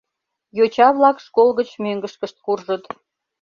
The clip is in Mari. Йоча-влак школ гыч мӧҥгышкышт куржыт.